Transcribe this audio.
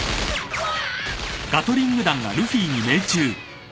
うわ！？